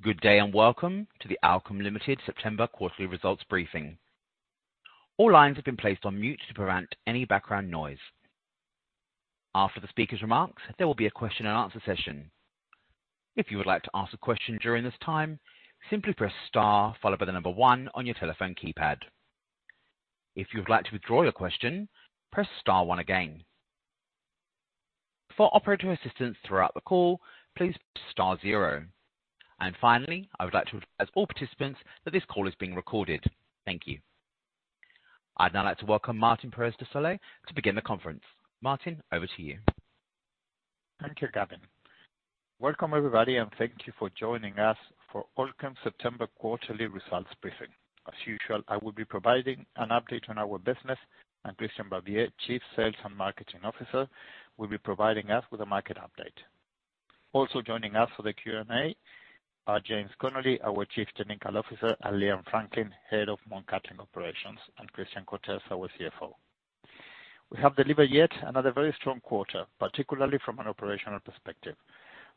Good day, and welcome to the Allkem Limited September Quarterly Results Briefing. All lines have been placed on mute to prevent any background noise. After the speaker's remarks, there will be a question and answer session. If you would like to ask a question during this time, simply press star followed by the number one on your telephone keypad. If you would like to withdraw your question, press star one again. For operator assistance throughout the call, please star zero. Finally, I would like to advise all participants that this call is being recorded. Thank you. I'd now like to welcome Martin Perez de Solay to begin the conference. Martin, over to you. Thank you, Gavin. Welcome, everybody, and thank you for joining us for Allkem September Quarterly Results Briefing. As usual, I will be providing an update on our business, and Christian Barbier, Chief Sales and Marketing Officer, will be providing us with a market update. Also joining us for the Q&A are James Connolly, our Chief Technical Officer, and Liam Franklyn, Head of Mt Cattlin Operations, and Christian Cortes, our CFO. We have delivered yet another very strong quarter, particularly from an operational perspective.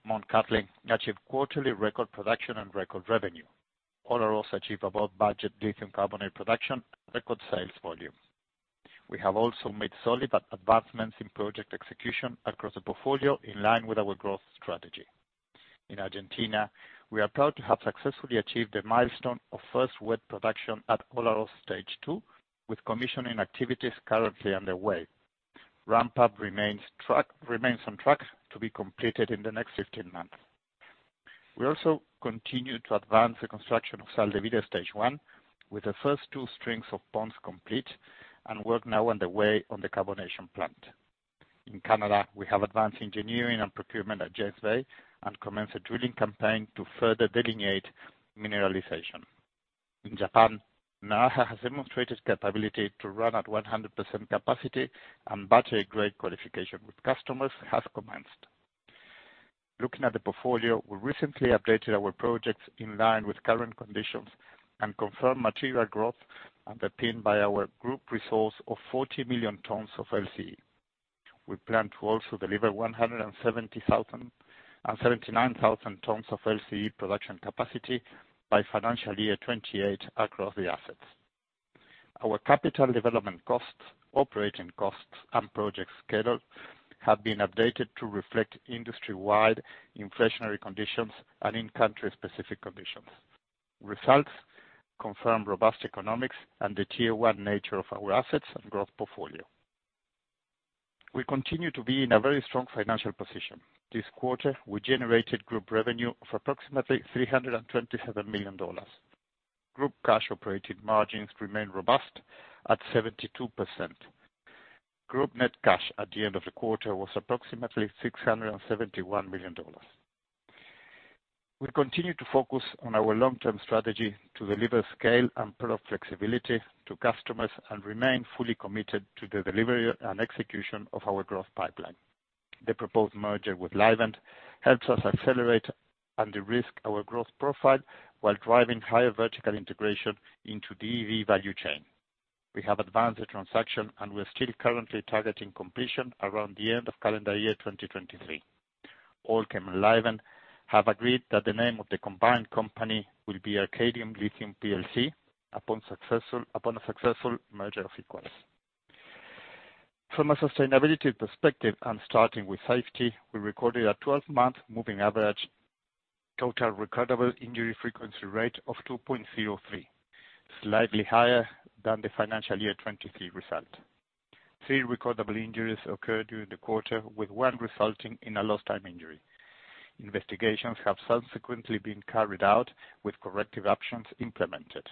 Mt Cattlin achieved quarterly record production and record revenue. Olaroz achieved above budget lithium carbonate production, record sales volume. We have also made solid advancements in project execution across the portfolio, in line with our growth strategy. In Argentina, we are proud to have successfully achieved the milestone of first wet production at Olaroz stage two, with commissioning activities currently underway. Ramp-up remains on track to be completed in the next 15 months. We also continue to advance the construction of Sal de Vida stage one, with the first two strings of ponds complete and work now underway on the carbonation plant. In Canada, we have advanced engineering and procurement at James Bay and commenced a drilling campaign to further delineate mineralization. In Japan, Naraha has demonstrated capability to run at 100% capacity, and battery grade qualification with customers has commenced. Looking at the portfolio, we recently updated our projects in line with current conditions and confirmed material growth, underpinned by our group resource of 40 million tons of LCE. We plan to also deliver 170,000 and 79,000 tons of LCE production capacity by financial year 2028 across the assets. Our capital development costs, operating costs, and project schedule have been updated to reflect industry-wide inflationary conditions and in-country specific conditions. Results confirm robust economics and the tier one nature of our assets and growth portfolio. We continue to be in a very strong financial position. This quarter, we generated group revenue of approximately $327 million. Group cash operating margins remain robust at 72%. Group net cash at the end of the quarter was approximately $671 million. We continue to focus on our long-term strategy to deliver scale and product flexibility to customers and remain fully committed to the delivery and execution of our growth pipeline. The proposed merger with Livent helps us accelerate and de-risk our growth profile while driving higher vertical integration into the EV value chain. We have advanced the transaction, and we are still currently targeting completion around the end of calendar year 2023. Allkem and Livent have agreed that the name of the combined company will be Arcadium Lithium PLC, upon a successful merger of equals. From a sustainability perspective and starting with safety, we recorded a 12-month moving average total recordable injury frequency rate of 2.03, slightly higher than the financial year 2023 result. Three recordable injuries occurred during the quarter, with one resulting in a lost time injury. Investigations have subsequently been carried out, with corrective actions implemented.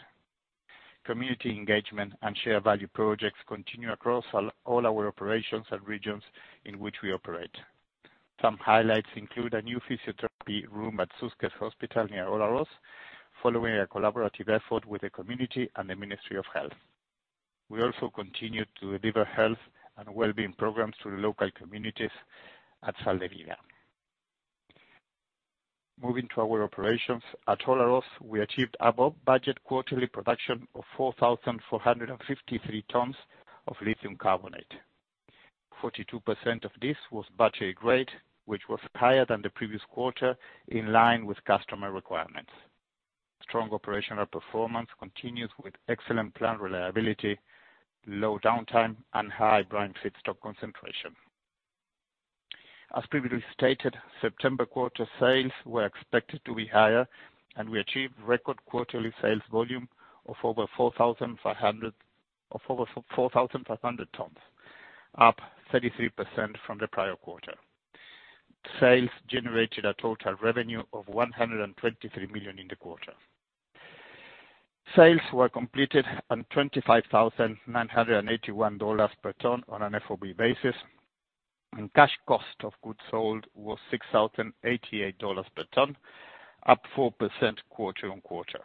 Community engagement and share value projects continue across all our operations and regions in which we operate. Some highlights include a new physiotherapy room at Susques Hospital near Olaroz, following a collaborative effort with the community and the Ministry of Health. We also continued to deliver health and wellbeing programs to the local communities at Sal de Vida. Moving to our operations, at Olaroz, we achieved above budget quarterly production of 4,453 tons of lithium carbonate. 42% of this was battery grade, which was higher than the previous quarter, in line with customer requirements. Strong operational performance continues with excellent plant reliability, low downtime, and high brine feedstock concentration. As previously stated, September quarter sales were expected to be higher, and we achieved record quarterly sales volume of over 4,500, of over 4,500 tons, up 33% from the prior quarter. Sales generated a total revenue of $123 million in the quarter. Sales were completed at $25,981 per ton on an FOB basis, and cash cost of goods sold was $6,088 per ton, up 4% quarter-on-quarter.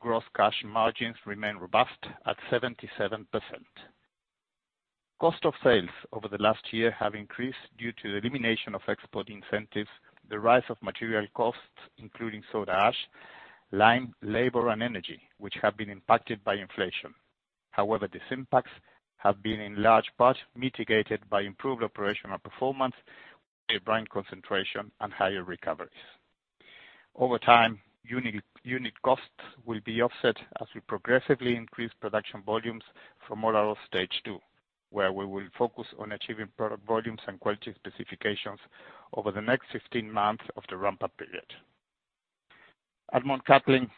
Gross cash margins remain robust at 77%. Cost of sales over the last year have increased due to the elimination of export incentives, the rise of material costs, including soda ash, lime, labor, and energy, which have been impacted by inflation. However, these impacts have been in large part mitigated by improved operational performance, a brine concentration, and higher recoveries. Over time, unit costs will be offset as we progressively increase production volumes from Olaroz stage two, where we will focus on achieving product volumes and quality specifications over the next 15 months of the ramp-up period. At Mt Cattlin,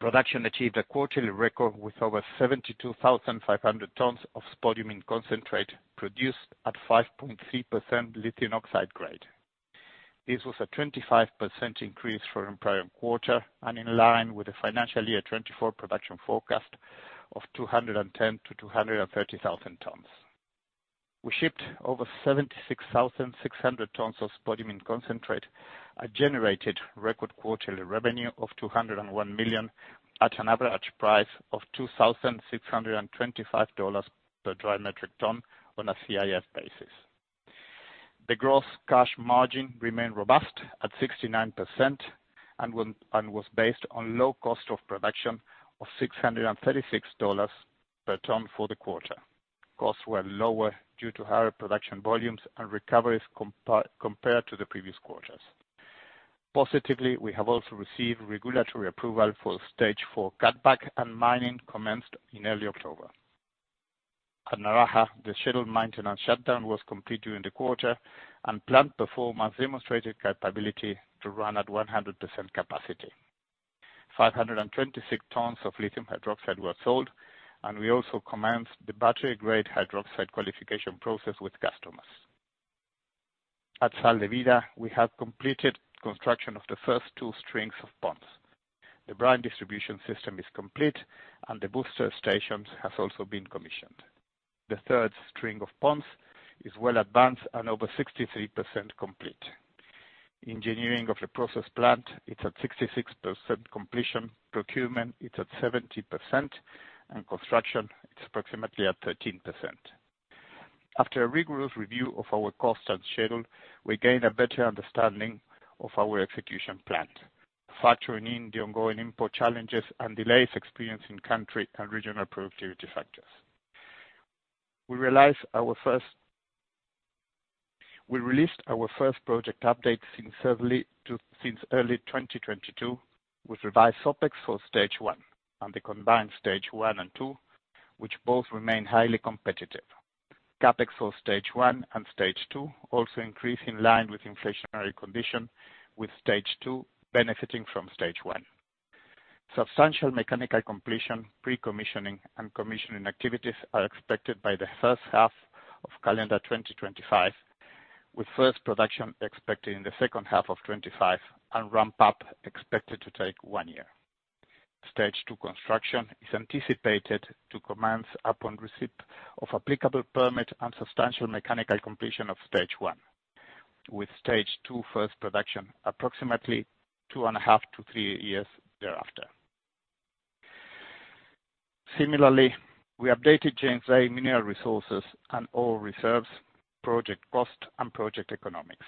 production achieved a quarterly record with over 72,500 tons of spodumene concentrate, produced at 5.3% lithium oxide grade. This was a 25% increase from the prior quarter and in line with the financial year 2024 production forecast of 210,000-230,000 tons. We shipped over 76,600 tons of spodumene concentrate and generated record quarterly revenue of $201 million, at an average price of $2,625 per dry metric ton on a CIF basis. The gross cash margin remained robust at 69% and was based on low cost of production of $636 per ton for the quarter. Costs were lower due to higher production volumes and recoveries compared to the previous quarters. Positively, we have also received regulatory approval for stage 4 cutback, and mining commenced in early October. At Naraha, the scheduled maintenance shutdown was complete during the quarter, and plant performance demonstrated capability to run at 100% capacity. 526 tons of lithium hydroxide were sold, and we also commenced the battery-grade hydroxide qualification process with customers. At Sal de Vida, we have completed construction of the first two strings of ponds. The brine distribution system is complete, and the booster stations have also been commissioned. The third string of ponds is well advanced and over 63% complete. Engineering of the process plant, it's at 66% completion, procurement, it's at 70%, and construction, it's approximately at 13%. After a rigorous review of our cost and schedule, we gained a better understanding of our execution plan, factoring in the ongoing import challenges and delays experienced in country and regional productivity factors. We released our first project update since early 2022, with revised OpEx for stage one and the combined stage one and two, which both remain highly competitive. CapEx for stage one and stage two also increased in line with inflationary conditions, with stage two benefiting from stage one. Substantial mechanical completion, pre-commissioning, and commissioning activities are expected by the first half of calendar 2025, with first production expected in the second half of 2025 and ramp-up expected to take one year. Stage two construction is anticipated to commence upon receipt of applicable permit and substantial mechanical completion of stage one, with stage two first production approximately 2.5-3 years thereafter. Similarly, we updated James Bay mineral resources and ore reserves, project cost, and project economics.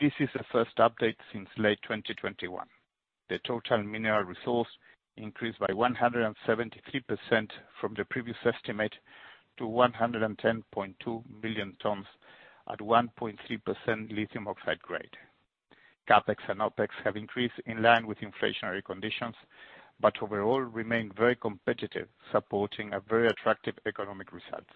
This is the first update since late 2021. The total mineral resource increased by 173% from the previous estimate to 110.2 billion tons at 1.3% lithium oxide grade. CapEx and OpEx have increased in line with inflationary conditions, but overall remain very competitive, supporting a very attractive economic results.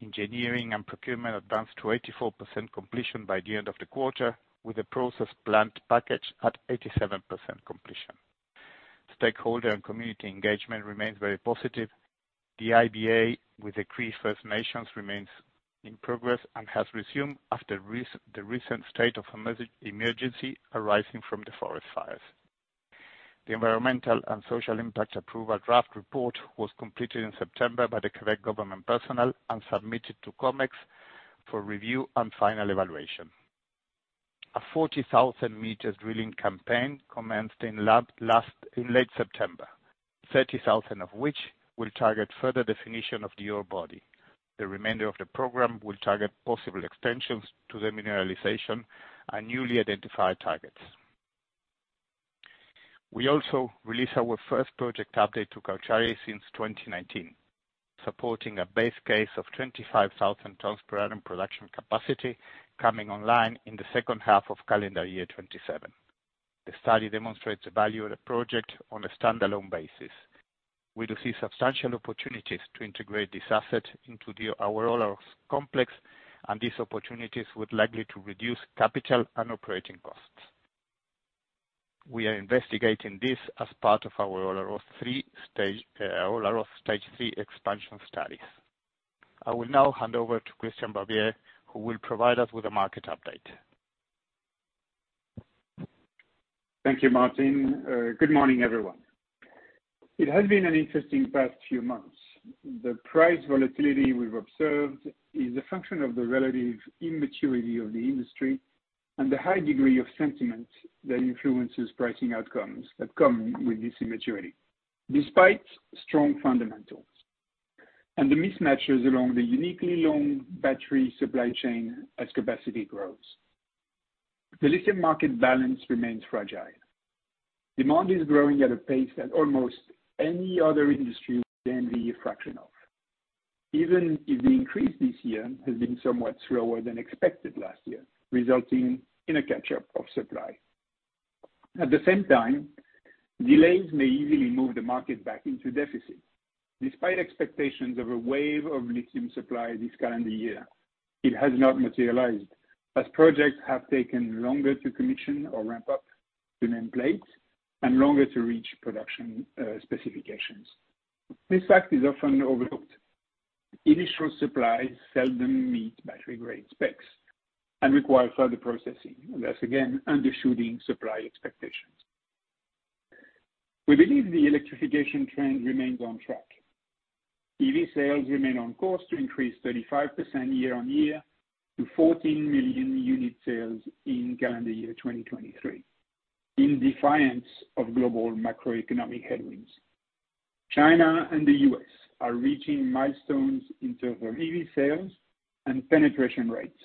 Engineering and procurement advanced to 84% completion by the end of the quarter, with the process plant package at 87% completion. Stakeholder and community engagement remains very positive. The IBA with the Cree First Nations remains in progress and has resumed after the recent state of emergency arising from the forest fires. The environmental and social impact approval draft report was completed in September by the Quebec government personnel and submitted to COMEX for review and final evaluation. A 40,000-meter drilling campaign commenced in late September, 30,000 of which will target further definition of the ore body. The remainder of the program will target possible extensions to the mineralization and newly identified targets. We also released our first project update to Cauchari since 2019, supporting a base case of 25,000 tons per annum production capacity coming online in the second half of calendar year 2027. The study demonstrates the value of the project on a standalone basis. We do see substantial opportunities to integrate this asset into the Olaroz complex, and these opportunities would likely to reduce capital and operating costs. We are investigating this as part of our Olaroz three stage, Olaroz stage three expansion studies. I will now hand over to Christian Barbier, who will provide us with a market update. Thank you, Martin. Good morning, everyone. It has been an interesting past few months. The price volatility we've observed is a function of the relative immaturity of the industry and the high degree of sentiment that influences pricing outcomes that come with this immaturity, despite strong fundamentals and the mismatches along the uniquely long battery supply chain as capacity grows. The lithium market balance remains fragile. Demand is growing at a pace that almost any other industry would envy a fraction of, even if the increase this year has been somewhat slower than expected last year, resulting in a catch-up of supply. At the same time, delays may easily move the market back into deficit. Despite expectations of a wave of lithium supply this calendar year, it has not materialized, as projects have taken longer to commission or ramp up to nameplate and longer to reach production specifications. This fact is often overlooked. Initial supplies seldom meet battery grade specs and require further processing, thus again, undershooting supply expectations. We believe the electrification trend remains on track. EV sales remain on course to increase 35% year-on-year to 14 million unit sales in calendar year 2023, in defiance of global macroeconomic headwinds. China and the U.S. are reaching milestones in terms of EV sales and penetration rates.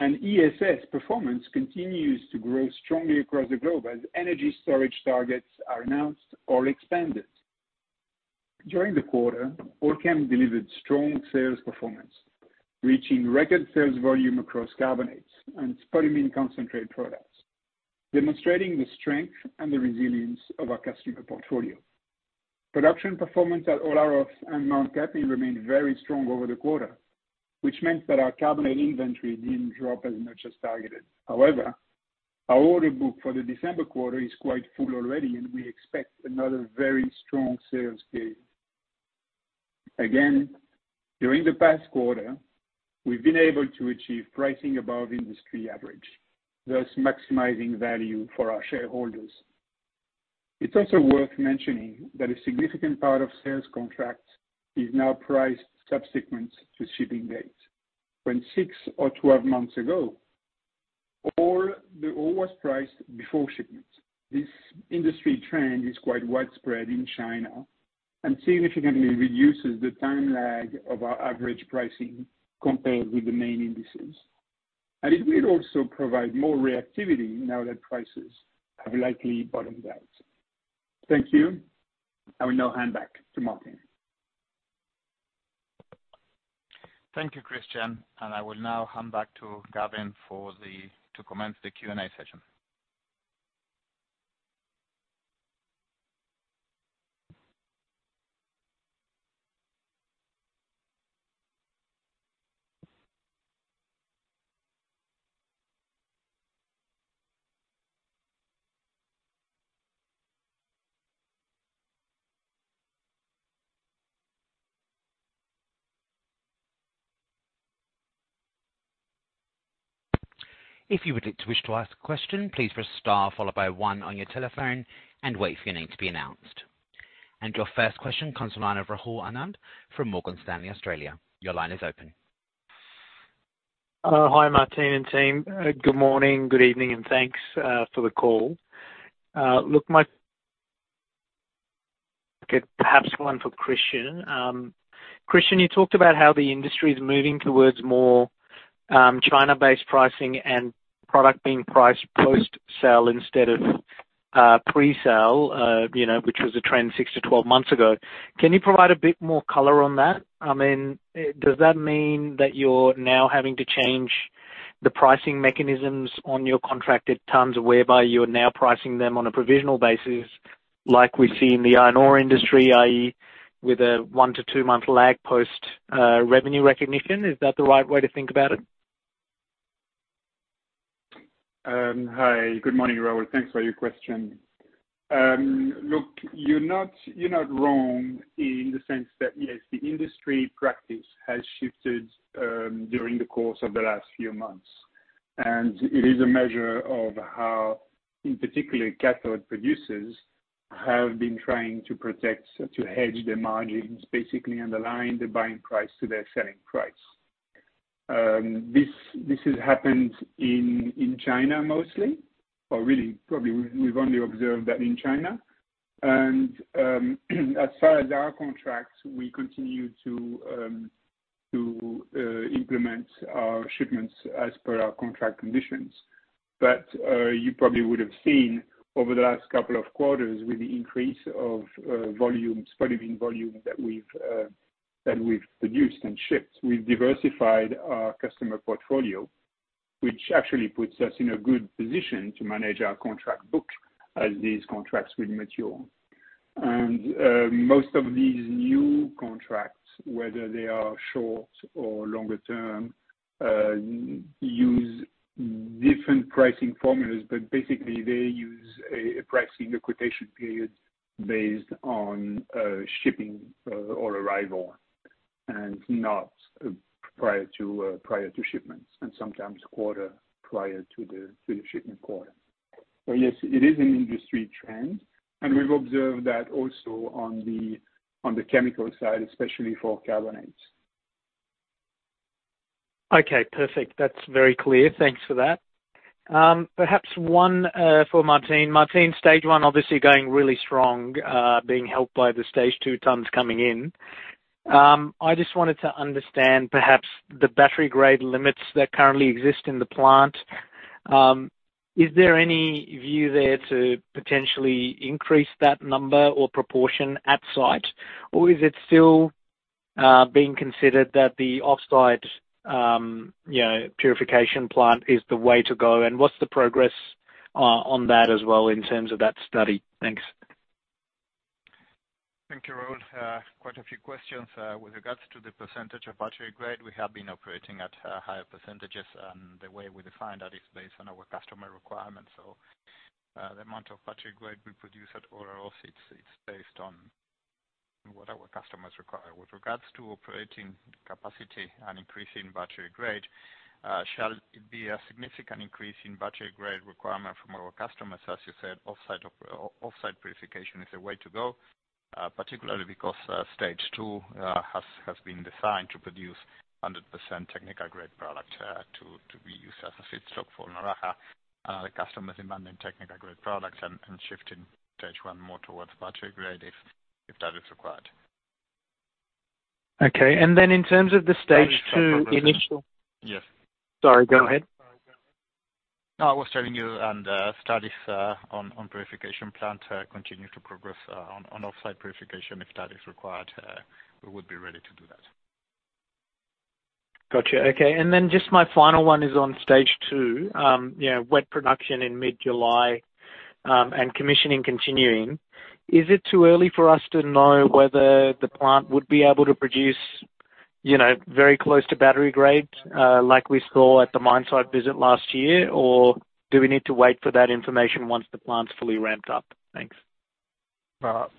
ESS performance continues to grow strongly across the globe as energy storage targets are announced or expanded. During the quarter, Allkem delivered strong sales performance, reaching record sales volume across carbonates and spodumene concentrate products, demonstrating the strength and the resilience of our customer portfolio. Production performance at Olaroz and Mt Cattlin remained very strong over the quarter, which meant that our carbonate inventory didn't drop as much as targeted. However, our order book for the December quarter is quite full already, and we expect another very strong sales gain. Again, during the past quarter, we've been able to achieve pricing above industry average, thus maximizing value for our shareholders. It's also worth mentioning that a significant part of sales contracts is now priced subsequent to shipping dates. When 6 or 12 months ago, all the ore was priced before shipments. This industry trend is quite widespread in China and significantly reduces the time lag of our average pricing compared with the main indices. And it will also provide more reactivity now that prices have likely bottomed out. Thank you. I will now hand back to Martin. Thank you, Christian, and I will now hand back to Gavin to commence the Q&A session. If you would like to ask a question, please press star followed by one on your telephone and wait for your name to be announced. Your first question comes from the line of Rahul Anand from Morgan Stanley, Australia. Your line is open. Hi, Martin and team. Good morning, good evening, and thanks for the call. Look, perhaps one for Christian. Christian, you talked about how the industry is moving towards more China-based pricing and product being priced post-sale instead of pre-sale, you know, which was a trend 6 to 12 months ago. Can you provide a bit more color on that? I mean, does that mean that you're now having to change the pricing mechanisms on your contracted tons, whereby you're now pricing them on a provisional basis, like we see in the iron ore industry, i.e., with a 1 to 2-month lag post revenue recognition? Is that the right way to think about it? Hi, good morning, Rahul. Thanks for your question. Look, you're not, you're not wrong in the sense that yes, the industry practice has shifted during the course of the last few months. And it is a measure of how, in particular, cathode producers have been trying to protect, to hedge their margins, basically, and align the buying price to their selling price. This has happened in China mostly, or really, probably, we've only observed that in China. And as far as our contracts, we continue to implement our shipments as per our contract conditions. But you probably would have seen over the last couple of quarters, with the increase of volume, spodumene volume that we've produced and shipped, we've diversified our customer portfolio, which actually puts us in a good position to manage our contract book as these contracts will mature. And most of these new contracts, whether they are short or longer term, use different pricing formulas, but basically, they use a pricing quotation period based on shipping or arrival, and not prior to prior to shipments, and sometimes quarter prior to the shipment quarter. So yes, it is an industry trend, and we've observed that also on the chemical side, especially for carbonates. Okay, perfect. That's very clear. Thanks for that. Perhaps one for Martin. Martin, stage one obviously going really strong, being helped by the stage two tons coming in. I just wanted to understand perhaps the battery grade limits that currently exist in the plant. Is there any view there to potentially increase that number or proportion at site? Or is it still being considered that the offsite, you know, purification plant is the way to go, and what's the progress on that as well in terms of that study? Thanks. Thank you, Rahul. Quite a few questions. With regards to the percentage of battery grade, we have been operating at higher percentages, and the way we define that is based on our customer requirements. So, the amount of battery grade we produce at Olaroz, it's based on what our customers require. With regards to operating capacity and increasing battery grade, shall be a significant increase in battery grade requirement from our customers. As you said, offsite purification is the way to go, particularly because stage two has been designed to produce 100% technical grade product to be used as a feedstock for Naraha. The customers demanding technical grade products and shifting stage one more towards battery grade if that is required. Okay. And then in terms of the stage two initial- Yes. Sorry, go ahead. No, I was telling you, and studies on purification plant continue to progress on offsite purification. If that is required, we would be ready to do that. Gotcha. Okay. And then just my final one is on stage two. You know, wet production in mid-July, and commissioning continuing. Is it too early for us to know whether the plant would be able to produce, you know, very close to battery grade, like we saw at the mine site visit last year? Or do we need to wait for that information once the plant's fully ramped up? Thanks. Well,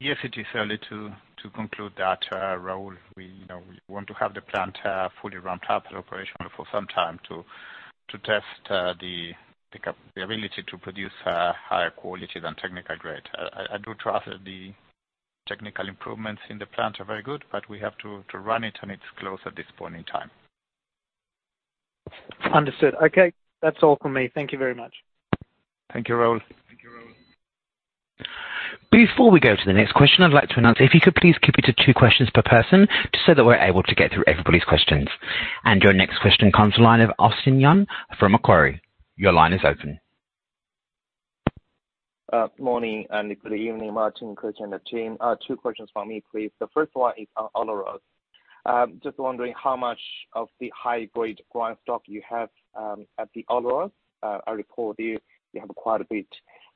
yes, it is early to conclude that, Rahul. We, you know, we want to have the plant fully ramped up and operational for some time to test the capability to produce higher quality than technical grade. I do trust the technical improvements in the plant are very good, but we have to run it, and it's close at this point in time. Understood. Okay. That's all for me. Thank you very much. Thank you, Rahul. Before we go to the next question, I'd like to announce if you could please keep it to two questions per person, just so that we're able to get through everybody's questions. Your next question comes to the line of Austin Yun from Macquarie. Your line is open. Morning and good evening, Martin, Chris, and the team. Two questions from me, please. The first one is on Olaroz. Just wondering how much of the high-grade brine stock you have at the Olaroz. I recall you, you have quite a bit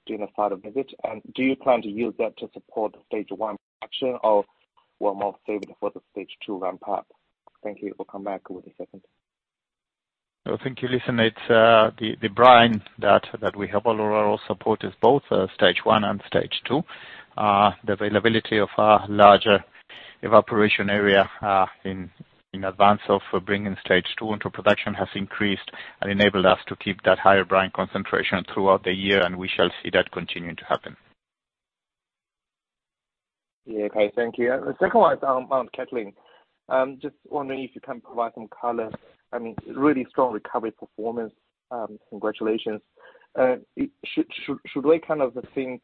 during the site visit. And do you plan to use that to support stage one production or, or more save it for the stage two ramp up? Thank you. Will come back with a second. Thank you, listen, it's the brine that we have Olaroz support is both stage one and stage two. The availability of our larger evaporation area in advance of bringing stage two into production has increased and enabled us to keep that higher brine concentration throughout the year, and we shall see that continuing to happen. Yeah. Okay, thank you. The second one is on Mt Cattlin. Just wondering if you can provide some color. I mean, really strong recovery performance. Congratulations. Should we kind of think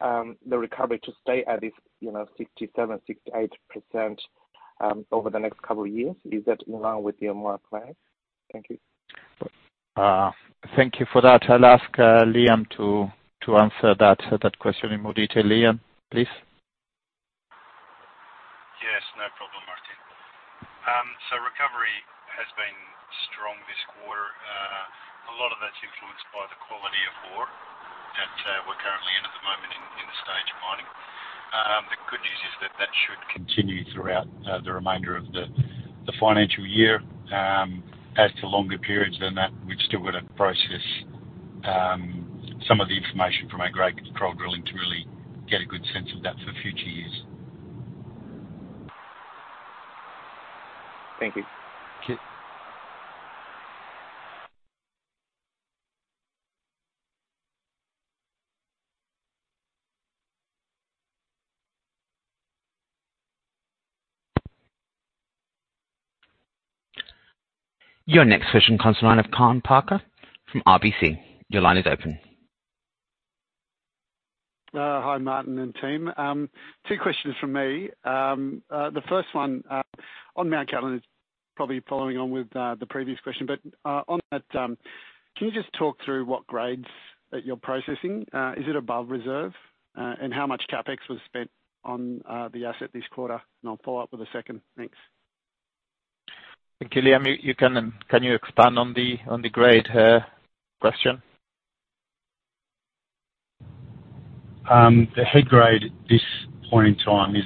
the recovery to stay at this, you know, 67%-68% over the next couple of years? Is that in line with your market plan? Thank you. Thank you for that. I'll ask Liam to answer that question in more detail. Liam, please. Yes, no problem, Martin. Recovery has been strong this quarter. A lot of that's influenced by the quality of ore that we're currently in at the moment in stage mining. The good news is that that should continue throughout the remainder of the financial year. As to longer periods than that, we've still got to process some of the information from our grade control drilling to really get a good sense of that for future years. Thank you. Okay. Your next question comes to the line of Kaan Peker from RBC. Your line is open. Hi, Martin and team. Two questions from me. The first one, on Mt Cattlin is probably following on with the previous question. But, on that, can you just talk through what grades that you're processing? Is it above reserve? And how much CapEx was spent on the asset this quarter? And I'll follow up with a second. Thanks. Thank you. Liam, can you expand on the grade question? The head grade, this point in time is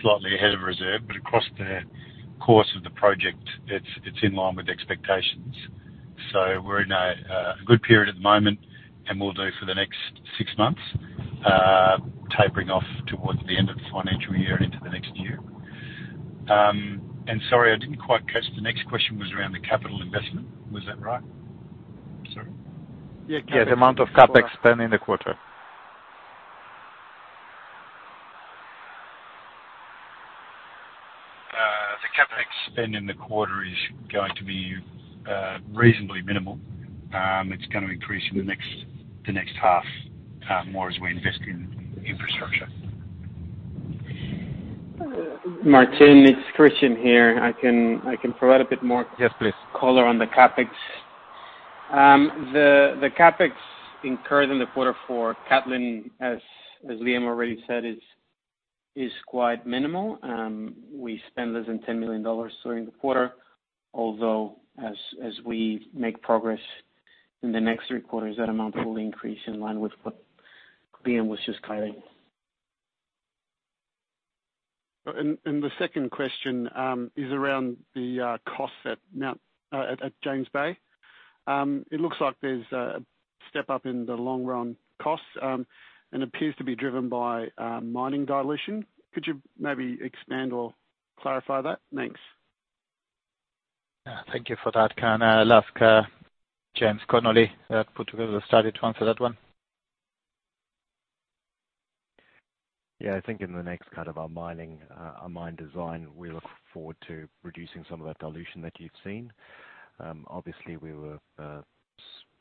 slightly ahead of reserve, but across the course of the project, it's in line with expectations. So we're in a good period at the moment, and we'll do for the next six months, tapering off towards the end of the financial year and into the next year. And sorry, I didn't quite catch the next question was around the capital investment. Was that right? Sorry. Yeah, the amount of CapEx spent in the quarter. The CapEx spend in the quarter is going to be reasonably minimal. It's gonna increase in the next, the next half, more as we invest in infrastructure. Martin, it's Christian here. I can provide a bit more- Yes, please. Color on the CapEx. The CapEx incurred in the quarter for Mt Cattlin, as Liam already said, is quite minimal. We spent less than $10 million during the quarter, although as we make progress in the next three quarters, that amount will increase in line with what Liam was just covering. The second question is around the costs at James Bay. It looks like there's a step up in the long run costs, and appears to be driven by mining dilution. Could you maybe expand or clarify that? Thanks. Thank you for that, Kaan. I'll ask James Connolly put together the study to answer that one. Yeah, I think in the next kind of our mining, our mine design, we look forward to reducing some of that dilution that you've seen. Obviously, we were,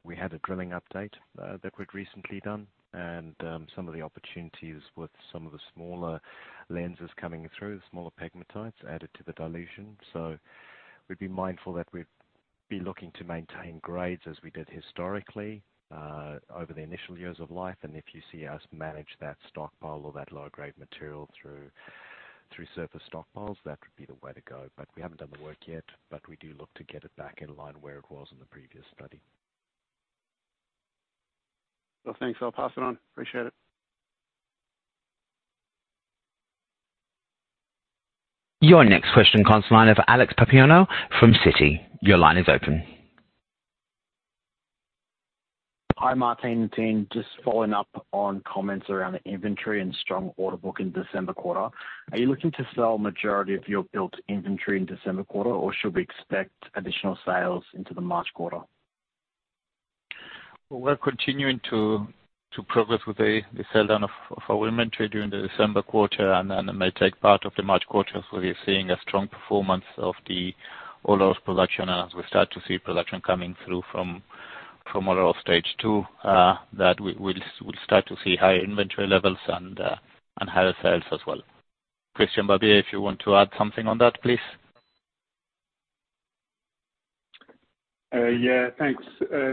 we had a drilling update, that we'd recently done, and, some of the opportunities with some of the smaller lenses coming through, the smaller pegmatites, added to the dilution. So we'd be mindful that we'd be looking to maintain grades as we did historically, over the initial years of life. And if you see us manage that stockpile or that lower grade material through surface stock piles, that would be the way to go. But we haven't done the work yet, but we do look to get it back in line where it was in the previous study. Well, thanks. I'll pass it on. Appreciate it. Your next question comes in the line of Alex Papaioannou from Citi. Your line is open. Hi, Martin and team. Just following up on comments around the inventory and strong order book in December quarter. Are you looking to sell majority of your built inventory in December quarter, or should we expect additional sales into the March quarter? We're continuing to progress with the sell down of our inventory during the December quarter, and then it may take part of the March quarter. So we're seeing a strong performance of the Olaroz production. And as we start to see production coming through from Olaroz stage two, that we'll start to see higher inventory levels and higher sales as well. Christian Barbier, if you want to add something on that, please? Yeah, thanks,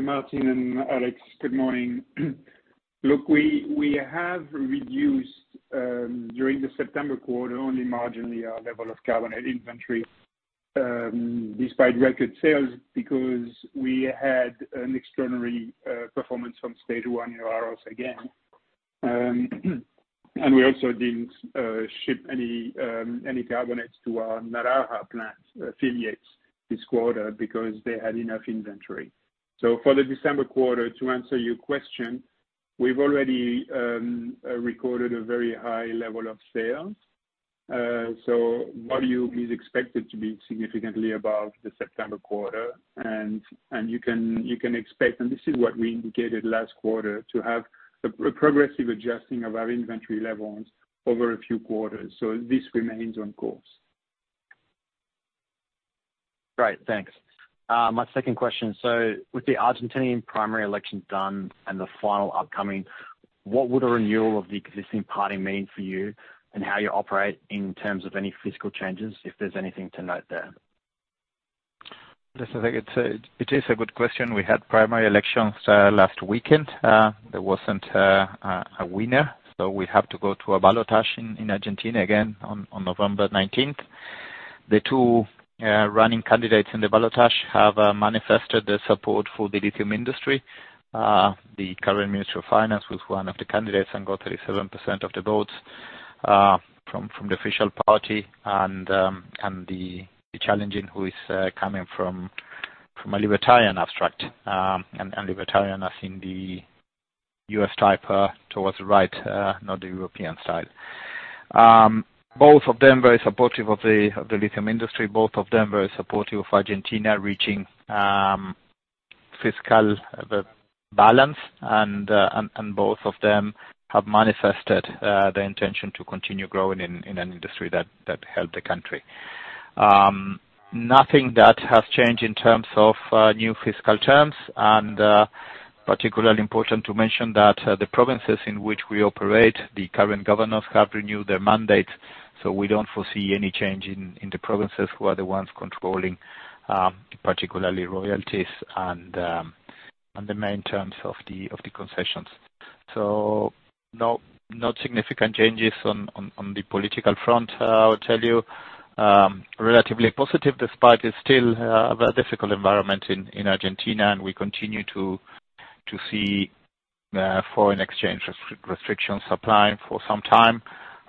Martin and Alex. Good morning. Look, we have reduced, during the September quarter, only marginally, our level of carbonate inventory, despite record sales, because we had an extraordinary performance from stage one in Olaroz again. And we also didn't ship any carbonates to our Naraha plant affiliates this quarter because they had enough inventory. So for the December quarter, to answer your question, we've already recorded a very high level of sales. So volume is expected to be significantly above the September quarter. And you can expect, and this is what we indicated last quarter, to have a progressive adjusting of our inventory levels over a few quarters. So this remains on course. Great, thanks. My second question: so with the Argentine primary election done and the final upcoming, what would a renewal of the existing party mean for you and how you operate in terms of any fiscal changes, if there's anything to note there? Yes, I think it's a good question. We had primary elections last weekend. There wasn't a winner, so we have to go to a ballotage in Argentina again on November nineteenth. The two running candidates in the ballotage have manifested their support for the lithium industry. The current Minister of Finance was one of the candidates and got 37% of the votes from the official party, and the challenging, who is coming from a libertarian abstract, and libertarian as in the U.S. type towards the right, not the European style. Both of them very supportive of the lithium industry, both of them very supportive of Argentina reaching fiscal balance. Both of them have manifested the intention to continue growing in an industry that helped the country. Nothing that has changed in terms of new fiscal terms, and particularly important to mention that the provinces in which we operate, the current governors have renewed their mandate, so we don't foresee any change in the provinces, who are the ones controlling particularly royalties and the main terms of the concessions. No significant changes on the political front, I'll tell you. Relatively positive, despite it's still a very difficult environment in Argentina, and we continue to see foreign exchange restrictions applying for some time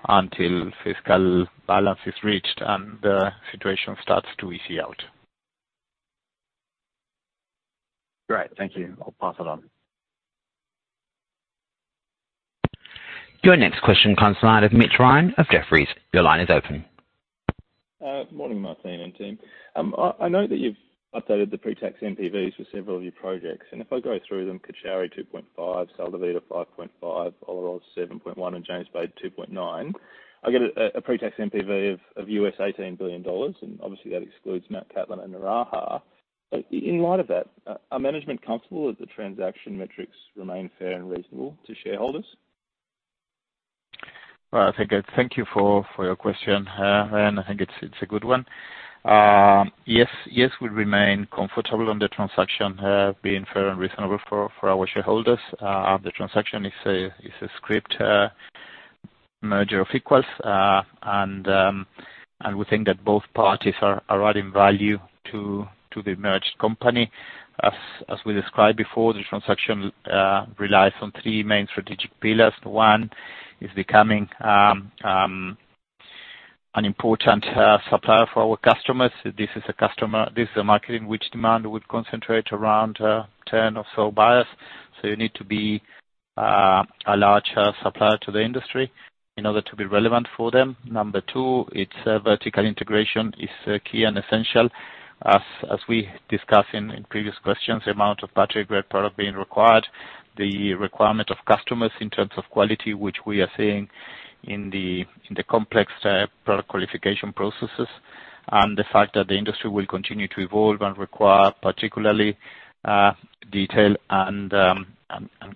until fiscal balance is reached and the situation starts to ease out. Great. Thank you. I'll pass it on. Your next question comes to the line of Mitch Ryan of Jefferies. Your line is open. Morning, Martin and team. I know that you've updated the pre-tax NPVs for several of your projects, and if I go through them, Cauchari 2.5, Sal de Vida 5.5, Olaroz 7.1, and James Bay 2.9, I get a pre-tax NPV of $18 billion, and obviously that excludes Mt Cattlin and Naraha. But in light of that, are management comfortable that the transaction metrics remain fair and reasonable to shareholders? Well, I think I thank you for your question, and I think it's a good one. Yes, we remain comfortable on the transaction being fair and reasonable for our shareholders. The transaction is a merger of equals. And we think that both parties are adding value to the merged company. As we described before, the transaction relies on three main strategic pillars. One is becoming an important supplier for our customers. This is a market in which demand would concentrate around 10 or so buyers. So you need to be a large supplier to the industry in order to be relevant for them. Number two, vertical integration is key and essential. As we discussed in previous questions, the amount of battery grade product being required, the requirement of customers in terms of quality, which we are seeing in the complex product qualification processes, and the fact that the industry will continue to evolve and require particularly detailed and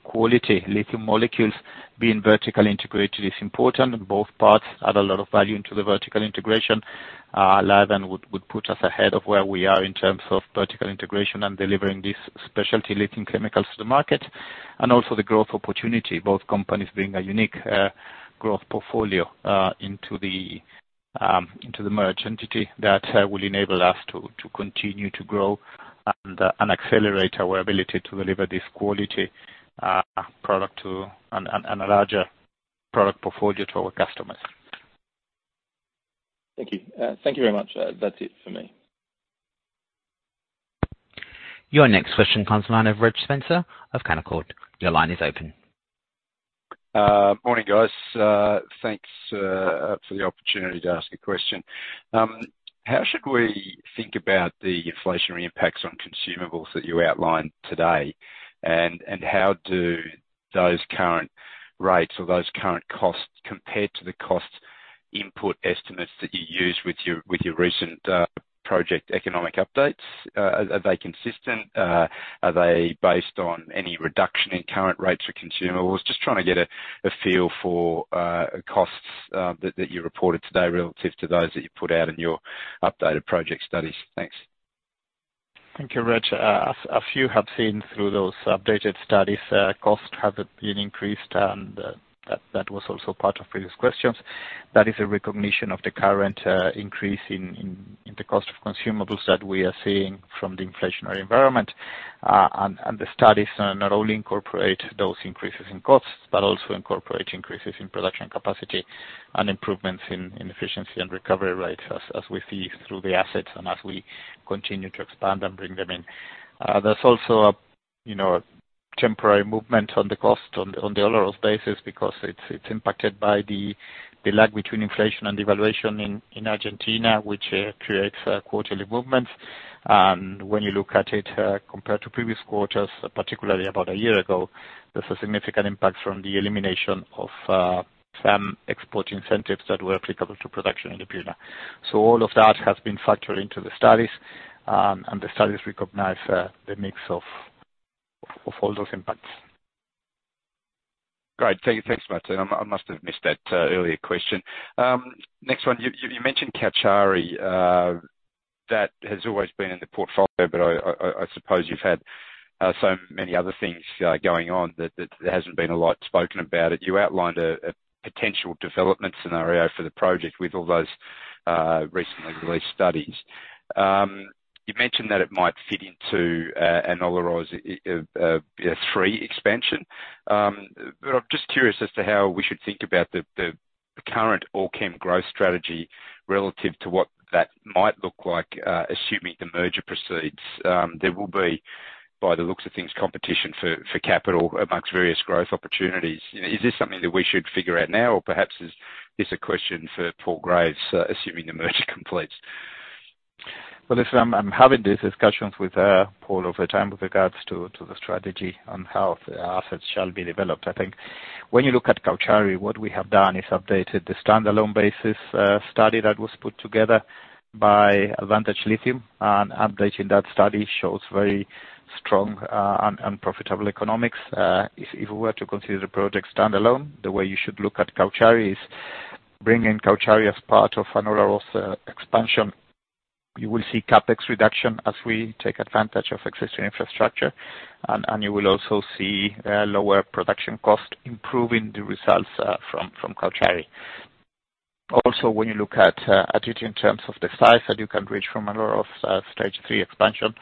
quality lithium molecules, being vertically integrated is important, and both parties add a lot of value into the vertical integration. Livent would put us ahead of where we are in terms of vertical integration and delivering these specialty lithium chemicals to the market, and also the growth opportunity. Both companies bring a unique growth portfolio into the merged entity that will enable us to continue to grow and accelerate our ability to deliver this quality product to a larger product portfolio to our customers. Thank you. Thank you very much. That's it for me. Your next question comes from the line of Reg Spencer of Canaccord. Your line is open. Morning, guys. Thanks for the opportunity to ask a question. How should we think about the inflationary impacts on consumables that you outlined today? And how do those current rates or those current costs compare to the cost input estimates that you used with your recent project economic updates? Are they consistent? Are they based on any reduction in current rates for consumables? Just trying to get a feel for costs that you reported today relative to those that you put out in your updated project studies. Thanks. Thank you, Reg. As you have seen through those updated studies, costs have been increased, and that was also part of previous questions. That is a recognition of the current increase in the cost of consumables that we are seeing from the inflationary environment. And the studies not only incorporate those increases in costs, but also incorporate increases in production capacity and improvements in efficiency and recovery rates as we see through the assets and as we continue to expand and bring them in. There's also a, you know, temporary movement on the cost on the overall basis because it's impacted by the lag between inflation and devaluation in Argentina, which creates quarterly movements. When you look at it, compared to previous quarters, particularly about a year ago, there's a significant impact from the elimination of some export incentives that were applicable to production in the period. All of that has been factored into the studies, and the studies recognize the mix of all those impacts. Great. Thanks, Martin. I must have missed that earlier question. Next one, you mentioned Cauchari. That has always been in the portfolio, but I suppose you've had so many other things going on that there hasn't been a lot spoken about it. You outlined a potential development scenario for the project with all those recently released studies. You mentioned that it might fit into an Olaroz stage three expansion. But I'm just curious as to how we should think about the current Allkem growth strategy relative to what that might look like, assuming the merger proceeds. There will be, by the looks of things, competition for capital amongst various growth opportunities. Is this something that we should figure out now, or perhaps is this a question for Paul Graves, assuming the merger completes? Well, listen, I'm having these discussions with Paul over time with regards to the strategy on how the assets shall be developed. I think when you look at Cauchari, what we have done is updated the standalone basis study that was put together by Advantage Lithium, and updating that study shows very strong and profitable economics. If we were to consider the project standalone, the way you should look at Cauchari is bring in Cauchari as part of Olaroz expansion. You will see CapEx reduction as we take advantage of existing infrastructure, and you will also see lower production cost, improving the results from Cauchari. Also, when you look at it in terms of the size that you can reach from Olaroz, stage three expansion,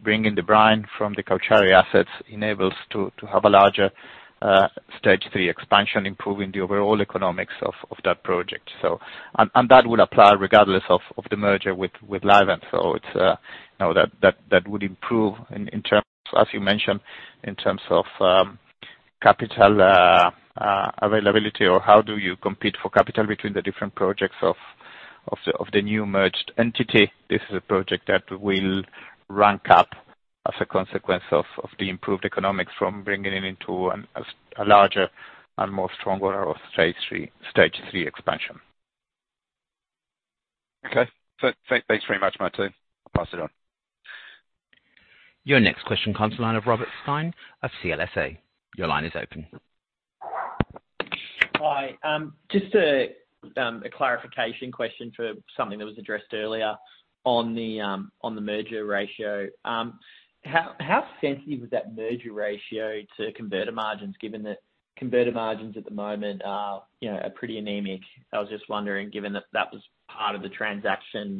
bringing the brine from the Cauchari assets enables to have a larger stage three expansion, improving the overall economics of that project. So, and that would apply regardless of the merger with Livent. So it's, you know, that would improve in terms, as you mentioned, in terms of capital availability, or how do you compete for capital between the different projects of the new merged entity? This is a project that will rank up as a consequence of the improved economics from bringing it into a larger and more stronger stage three expansion. Okay. So thanks very much, Martin. I'll pass it on. Your next question comes from the line of Robert Stein of CLSA. Your line is open. Hi, just a clarification question for something that was addressed earlier on the merger ratio. How sensitive is that merger ratio to converter margins, given that converter margins at the moment are, you know, pretty anemic? I was just wondering, given that that was part of the transaction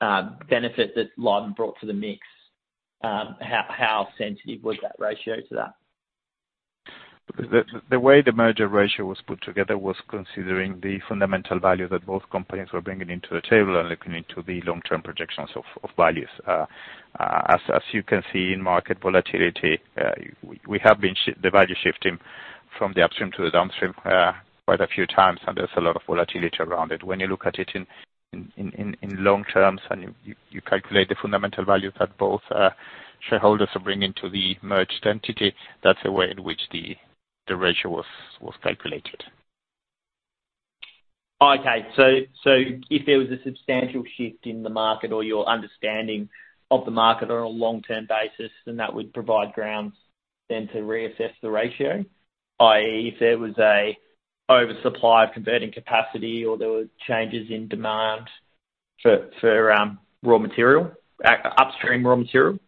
benefit that Livent brought to the mix, how sensitive was that ratio to that? The way the merger ratio was put together was considering the fundamental value that both companies were bringing to the table and looking into the long-term projections of values. As you can see, in market volatility, we have been seeing the value shifting from the upstream to the downstream quite a few times, and there's a lot of volatility around it. When you look at it in long terms, and you calculate the fundamental value that both shareholders are bringing to the merged entity, that's a way in which the ratio was calculated. Okay. So if there was a substantial shift in the market or your understanding of the market on a long-term basis, then that would provide grounds to reassess the ratio? i.e., if there was an oversupply of converting capacity or there were changes in demand for raw material, upstream raw material.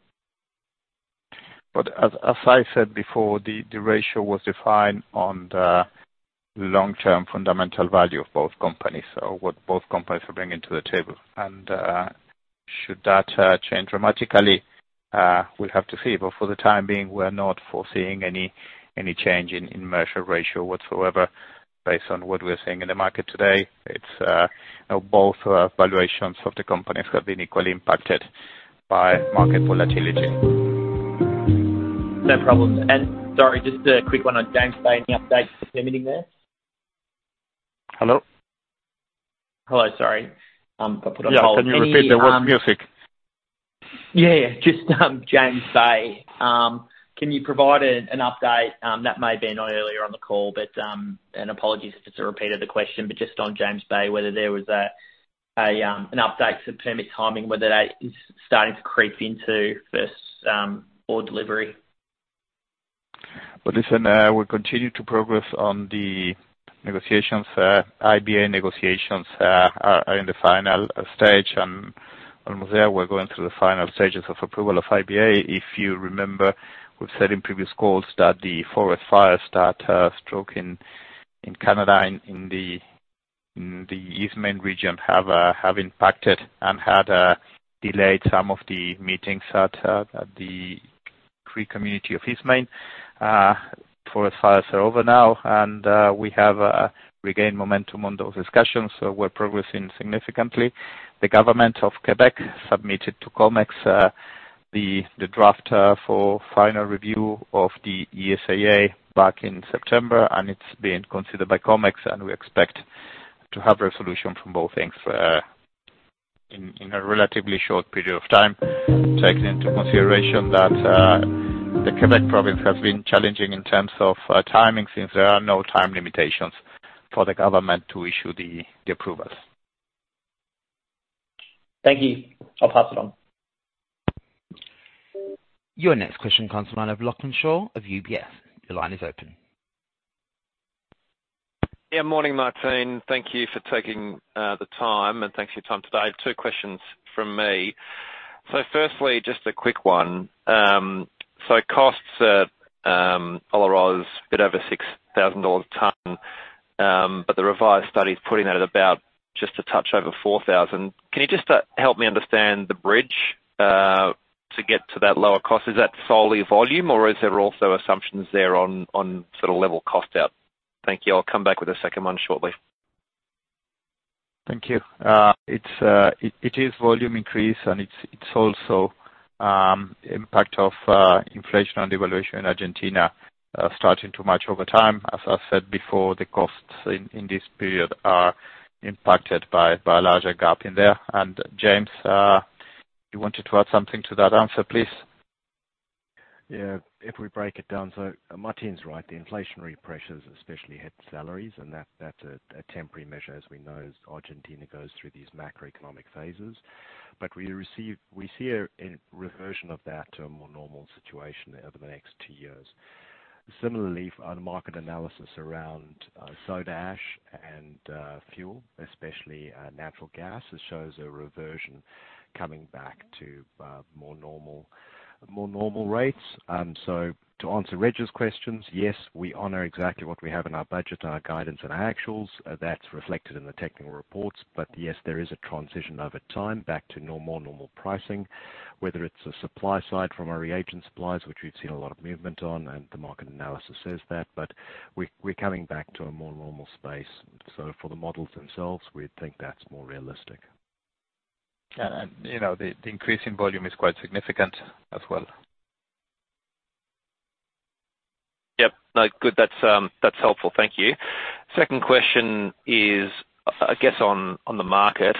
But as I said before, the ratio was defined on the long-term fundamental value of both companies. So what both companies are bringing to the table, and should that change dramatically, we'll have to see. But for the time being, we're not foreseeing any change in merger ratio whatsoever, based on what we are seeing in the market today. It's, you know, both valuations of the companies have been equally impacted by market volatility. No problem. And sorry, just a quick one on James Bay, any updates permitting there? Hello? Hello, sorry. I put on hold. Yeah, can you repeat there was music? Yeah, yeah. Just James Bay, can you provide an update? That may have been earlier on the call, but, and apologies if it's a repeat of the question, but just on James Bay, whether there was an update to permit timing, whether that is starting to creep into first ore delivery. But listen, we continue to progress on the negotiations. IBA negotiations are in the final stage, and almost there, we're going through the final stages of approval of IBA. If you remember, we've said in previous calls that the forest fires that struck in Canada, in the Eastmain region, have impacted and had delayed some of the meetings at the Cree community of Eastmain. Forest fires are over now, and we have regained momentum on those discussions, so we're progressing significantly. The government of Quebec submitted to COMEX the draft for final review of the ESIA back in September, and it's being considered by COMEX, and we expect to have resolution from both things in a relatively short period of time. Taking into consideration that, the Quebec province has been challenging in terms of timing, since there are no time limitations for the government to issue the approvals. Thank you. I'll pass it on. Your next question comes from the line of Lachlan Shaw of UBS. Your line is open. Yeah, morning, Martin. Thank you for taking the time, and thanks for your time today. Two questions from me. So firstly, just a quick one. So costs at Olaroz, a bit over $6,000 a ton, but the revised study is putting that at about just a touch over $4,000. Can you just help me understand the bridge to get to that lower cost? Is that solely volume, or is there also assumptions there on, on sort of level cost out? Thank you. I'll come back with a second one shortly. Thank you. It is volume increase, and it's also impact of inflation and devaluation in Argentina starting to match over time. As I said before, the costs in this period are impacted by a larger gap in there. And James, you wanted to add something to that answer, please? Yeah, if we break it down, so Martin's right, the inflationary pressures especially hit salaries, and that's a temporary measure, as we know, as Argentina goes through these macroeconomic phases. But we see a reversion of that to a more normal situation over the next two years. Similarly, on market analysis around soda ash and fuel, especially natural gas, it shows a reversion coming back to more normal rates. So to answer Reggie's questions, yes, we honor exactly what we have in our budget, our guidance, and our actuals. That's reflected in the technical reports, but yes, there is a transition over time back to more normal pricing, whether it's the supply side from our reagent suppliers, which we've seen a lot of movement on, and the market analysis says that, but we're coming back to a more normal space. So for the models themselves, we think that's more realistic. And you know, the increase in volume is quite significant as well. Yep. No, good, that's helpful. Thank you. Second question is, I guess on the market,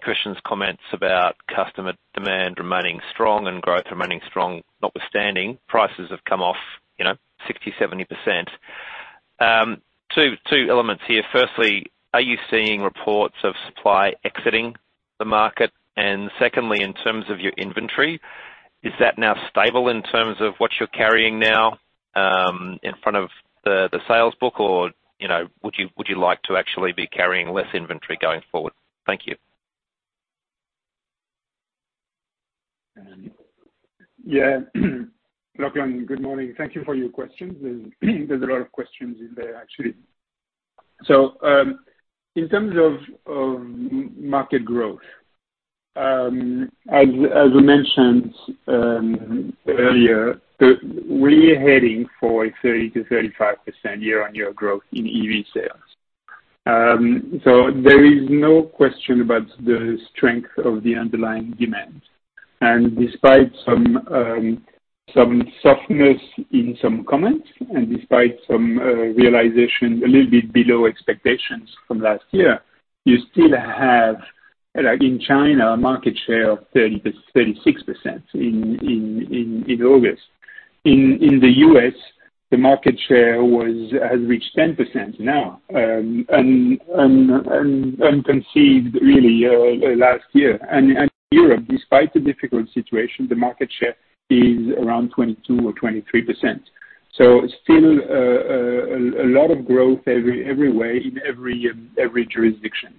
Christian's comments about customer demand remaining strong and growth remaining strong notwithstanding, prices have come off, you know, 60%-70%. Two elements here. Firstly, are you seeing reports of supply exiting the market? And secondly, in terms of your inventory, is that now stable in terms of what you're carrying now in front of the sales book? Or, you know, would you like to actually be carrying less inventory going forward? Thank you. Yeah. Good morning. Thank you for your questions. There's a lot of questions in there, actually. So, in terms of market growth, as we mentioned earlier, we're heading for a 30%-35% year-on-year growth in EV sales. So there is no question about the strength of the underlying demand. And despite some softness in some comments, and despite some realization, a little bit below expectations from last year, you still have, like in China, a market share of 30%-36% in August. In the US, the market share has reached 10% now, and unprecedented really last year. And Europe, despite the difficult situation, the market share is around 22% or 23%. So still a lot of growth every way, in every jurisdiction.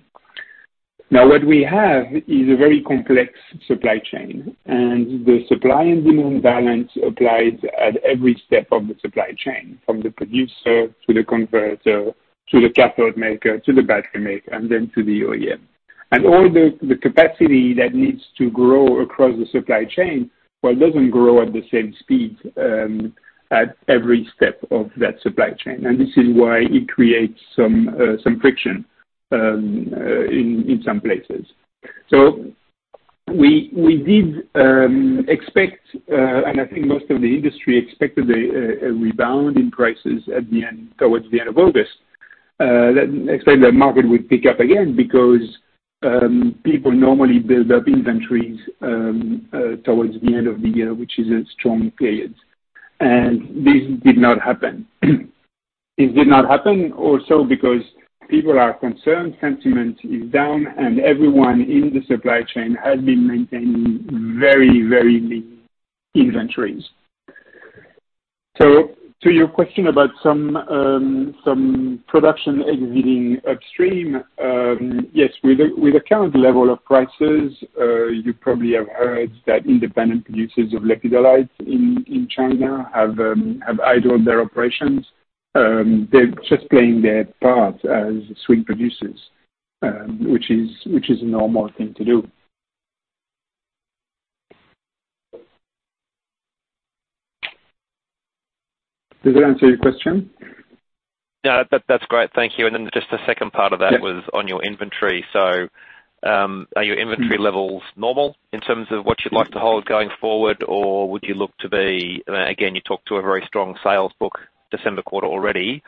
Now, what we have is a very complex supply chain, and the supply and demand balance applies at every step of the supply chain, from the producer, to the converter, to the cathode maker, to the battery maker, and then to the OEM. And all the capacity that needs to grow across the supply chain, but it doesn't grow at the same speed at every step of that supply chain. And this is why it creates some friction in some places. So we did expect, and I think most of the industry expected a rebound in prices at the end, towards the end of August. That explained that market would pick up again because people normally build up inventories towards the end of the year, which is a strong period. This did not happen. It did not happen also because people are concerned, sentiment is down, and everyone in the supply chain has been maintaining very, very lean inventories. So to your question about some production exiting upstream, yes, with the current level of prices, you probably have heard that independent producers of lepidolite in China have idled their operations. They're just playing their part as swing producers, which is a normal thing to do. Does that answer your question? Yeah, that, that's great. Thank you. And then just the second part of that- Yeah was on your inventory. So, are your inventory levels normal in terms of what you'd like to hold going forward, or would you look to be, again, you talked to a very strong sales book, December quarter already,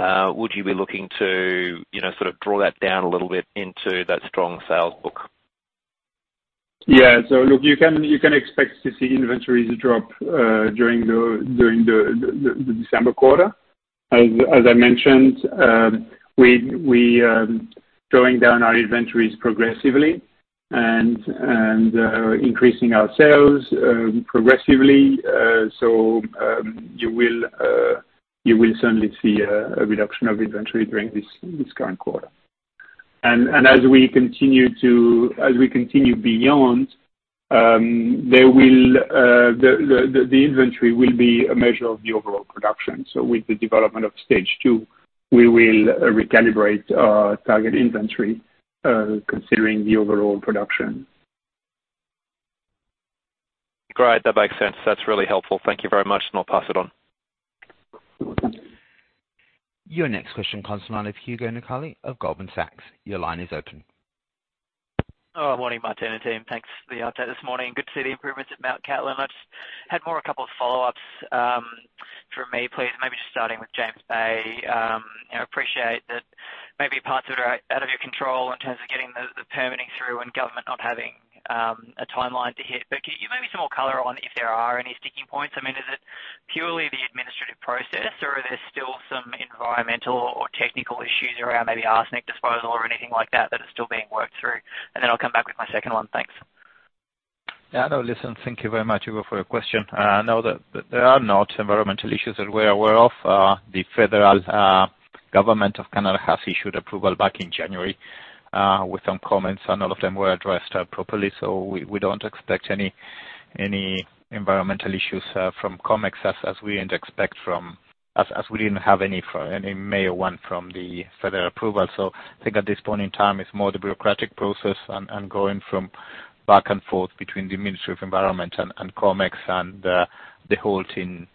would you be looking to, you know, sort of draw that down a little bit into that strong sales book? Yeah. So look, you can expect to see inventories drop during the December quarter. As I mentioned, we drawing down our inventories progressively and increasing our sales progressively. So, you will certainly see a reduction of inventory during this current quarter. And as we continue beyond, the inventory will be a measure of the overall production. So with the development of stage two, we will recalibrate our target inventory considering the overall production. Great, that makes sense. That's really helpful. Thank you very much, and I'll pass it on. Your next question comes from Hugo Nicolaci of Goldman Sachs. Your line is open. Oh, morning, Martin and team. Thanks for the update this morning. Good to see the improvements at Mt Cattlin. I just had more, a couple of follow-ups, from me, please. Maybe just starting with James Bay. I appreciate that maybe parts of it are out of your control in terms of getting the permitting through and government not having, a timeline to hit. But can you maybe some more color on if there are any sticking points? I mean, is it purely the administrative process, or are there still some environmental or technical issues around maybe arsenic disposal or anything like that, that are still being worked through? And then I'll come back with my second one. Thanks. Yeah, no, listen, thank you very much, Hugo, for your question. No, there are not environmental issues that we're aware of. The federal government of Canada has issued approval back in January with some comments, and all of them were addressed properly. So we don't expect any environmental issues from COMEX, as we didn't have any major one from the federal approval. So I think at this point in time, it's more the bureaucratic process and going back and forth between the Ministry of Environment and COMEX and the halt in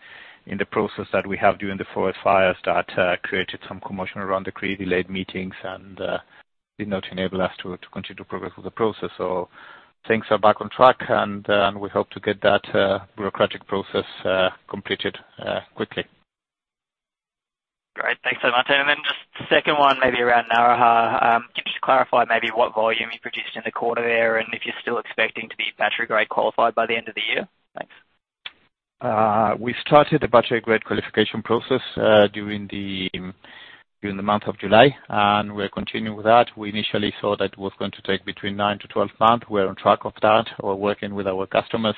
the process that we have during the forest fires that created some commotion around the Quebec regulatory meetings and did not enable us to continue to progress with the process. So things are back on track, and we hope to get that bureaucratic process completed quickly. Great. Thanks so Martin. And then just second one, maybe around Naraha. Can you just clarify maybe what volume you produced in the quarter there, and if you're still expecting to be battery grade qualified by the end of the year? Thanks. We started the battery grade qualification process during the month of July, and we're continuing with that. We initially thought that it was going to take between 9-12 months. We're on track of that. We're working with our customers.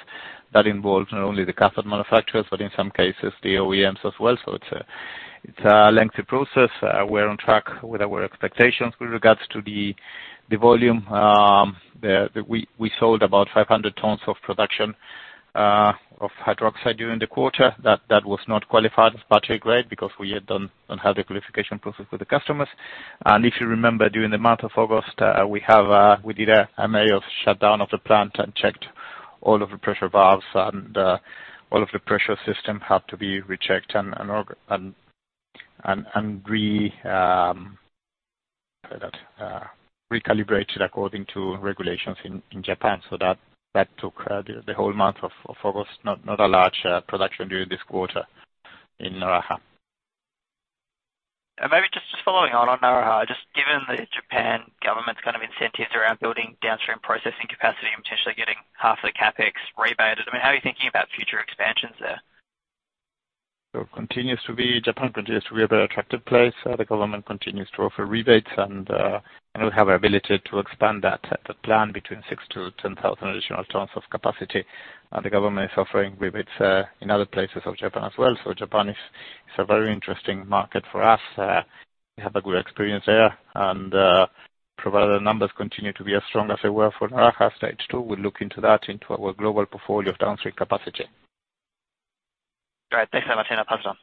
That involves not only the customer manufacturers, but in some cases the OEMs as well. So it's a lengthy process. We're on track with our expectations with regards to the volume. We sold about 500 tons of production of hydroxide during the quarter. That was not qualified as battery grade because we don't have the qualification process with the customers. And if you remember, during the month of August, we did a major shutdown of the plant and checked all of the pressure valves and all of the pressure system had to be rechecked and recalibrated according to regulations in Japan. So that took the whole month of August, not a large production during this quarter in Naraha. And maybe just following on Naraha, just given the Japan government's kind of incentives around building downstream processing capacity and potentially getting half the CapEx rebated, I mean, how are you thinking about future expansions there? So continues to be Japan continues to be a very attractive place. The government continues to offer rebates, and we have our ability to expand that plan between 6,000-10,000 additional tons of capacity. The government is offering rebates in other places of Japan as well. Japan is a very interesting market for us. We have a good experience there, and provided the numbers continue to be as strong as they were for Naraha stage two, we'll look into that, into our global portfolio of downstream capacity. Great. Thanks so much, and I'll pass it on.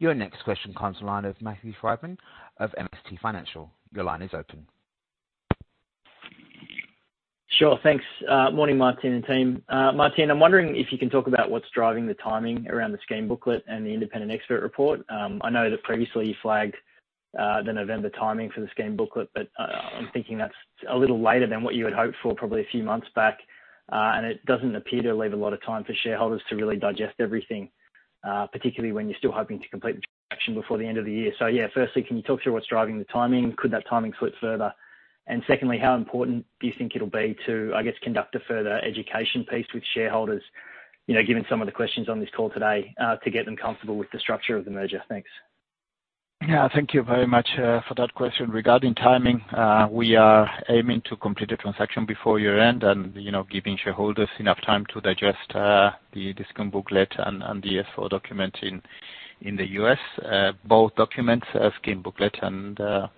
Your next question comes to the line of Matthew Fryba of MST Financial. Your line is open. Sure. Thanks, morning, Martin and team. Martin, I'm wondering if you can talk about what's driving the timing around the scheme booklet and the independent expert report. I know that previously you flagged the November timing for the scheme booklet, but I'm thinking that's a little later than what you had hoped for probably a few months back. And it doesn't appear to leave a lot of time for shareholders to really digest everything, particularly when you're still hoping to complete the transaction before the end of the year. So yeah, firstly, can you talk through what's driving the timing? Could that timing slip further? And secondly, how important do you think it'll be to, I guess, conduct a further education piece with shareholders, you know, given some of the questions on this call today, to get them comfortable with the structure of the merger? Thanks. Yeah, thank you very much for that question. Regarding timing, we are aiming to complete the transaction before year-end and, you know, giving shareholders enough time to digest the discount booklet and the F-4 document in the US. Both documents, scheme booklet and the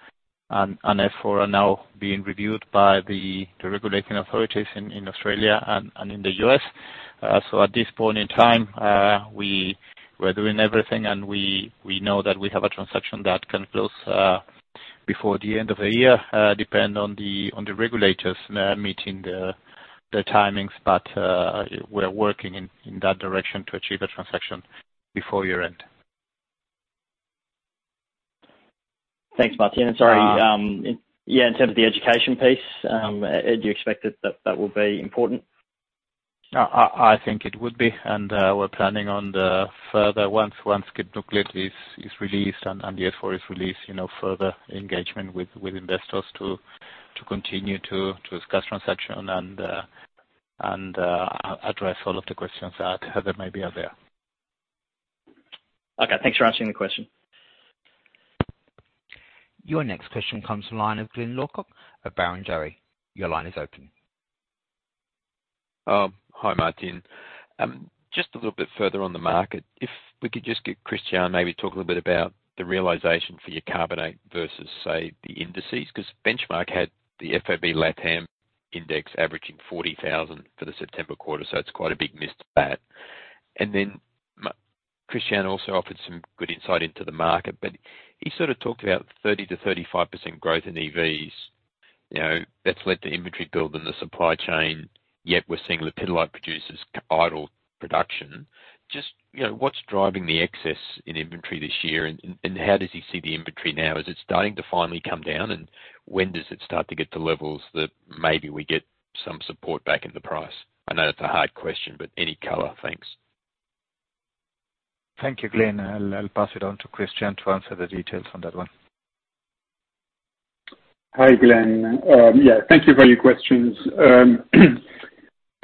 F-4, are now being reviewed by the regulating authorities in Australia and in the US. So at this point in time, we were doing everything, and we know that we have a transaction that can close before the end of the year, depend on the regulators meeting the timings, but we're working in that direction to achieve a transaction before year-end. Thanks, Martin. Uh- Sorry, yeah, in terms of the education piece, do you expect that that will be important? I think it would be, and we're planning on the further, once kid booklet is released and the F-4 is released, you know, further engagement with investors to continue to discuss transaction and, you know, address all of the questions that there maybe are there. Okay. Thanks for answering the question. Your next question comes from the line of Glyn Lawcock of Barrenjoey. Your line is open. Hi, Martin. Just a little bit further on the market, if we could just get Christian, maybe talk a little bit about the realization for your carbonate versus, say, the indices, because Benchmark had the FOB LatAm index averaging $40,000 for the September quarter, so it's quite a big miss to that. And then Christian also offered some good insight into the market, but he sort of talked about 30%-35% growth in EVs. You know, that's led to inventory build in the supply chain, yet we're seeing the lithium producers idle production. Just, you know, what's driving the excess in inventory this year, and, and, and how does he see the inventory now? Is it starting to finally come down, and when does it start to get to levels that maybe we get some support back in the price? I know it's a hard question, but any color? Thanks. Thank you, Glenn. I'll pass it on to Christian to answer the details on that one. Hi, Glyn. Yeah, thank you for your questions.